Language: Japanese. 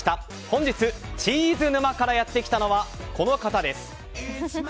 本日チーズ沼からやってきたのはこの方です。